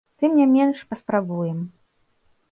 Тым не менш, паспрабуем.